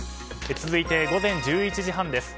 続いて、午前１１時半です。